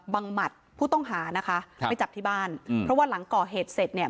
หมัดผู้ต้องหานะคะครับไปจับที่บ้านอืมเพราะว่าหลังก่อเหตุเสร็จเนี่ย